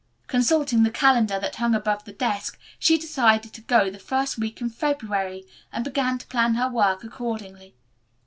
Consulting the calendar that hung above the desk, she decided to go the first week in February, and began to plan her work accordingly.